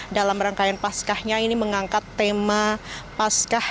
dalam rangkaian paskahnya ini mengangkat tema paskah